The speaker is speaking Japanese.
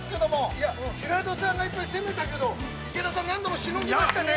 ◆いや、白土さんが攻めたけど、池田さん何度もしのぎましたね。